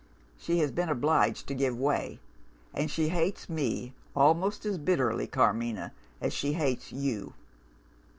She has been obliged to give way; and she hates me almost as bitterly, Carmina, as she hates you.